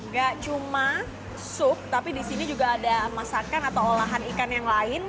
gak cuma sup tapi di sini juga ada masakan atau olahan ikan yang lain